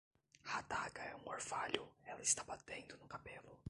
A adaga é um orvalho, ela está batendo no cabelo.